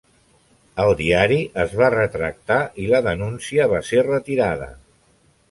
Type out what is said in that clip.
El diari es va retractar i la denúncia va ser retirada.